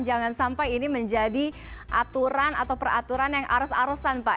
jangan sampai ini menjadi aturan atau peraturan yang arus arusan pak